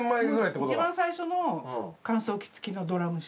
一番最初の乾燥機つきのドラム式。